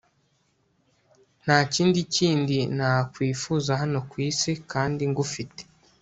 nta kindi kindi nakwifuza hano ku isi, kandi ngufite